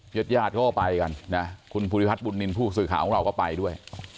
เย็ดพวงไปกันนะคุณภูทิภัณฑ์บุญมินฯผู้สรุขาวของเราก็ไปด้วย